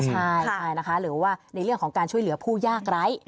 ใช่นะคะหรือว่าในเรื่องของการช่วยเหลือผู้ยากไร้